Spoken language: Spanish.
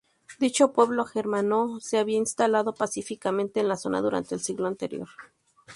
Dicho pueblo germano se había instalado pacíficamente en la zona durante el siglo anterior.